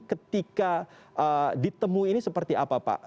ketika ditemu ini seperti apa pak